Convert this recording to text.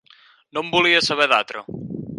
No en volia saber d'altra!